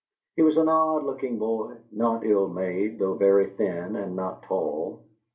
He was an odd looking boy, not ill made, though very thin and not tall.